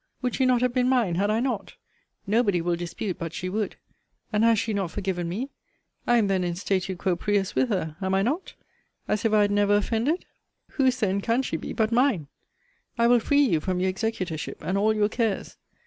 Would she not have been mine had I not? Nobody will dispute but she would. And has she not forgiven me? I am then in statu quo prius with her, am I not? as if I had never offended? Whose then can she be but mine? I will free you from your executorship, and all your cares.